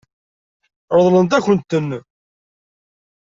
Ṛeḍlent-akent-ten.